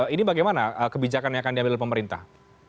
ini bagaimana kebijakan yang akan diambil pemerintah